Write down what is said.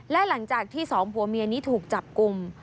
และหลังจากที่สองผัวเมียนี้ถูกจับกลุ่ม